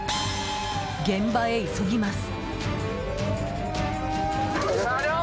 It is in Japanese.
現場へ急ぎます。